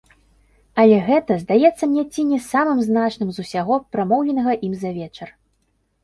Але гэта здаецца мне ці не самым значным з усяго, прамоўленага ім за вечар.